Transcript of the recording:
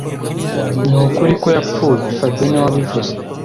Nukuri ko yapfuye fabien niwe wabivuze